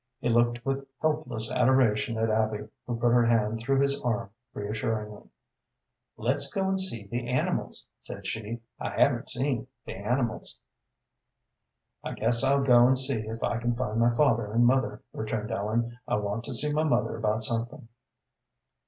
He looked with helpless adoration at Abby, who put her hand through his arm reassuringly. "Let's go and see the animals," said she; "I haven't seen the animals." "I guess I'll go and see if I can find my father and mother," returned Ellen. "I want to see my mother about something."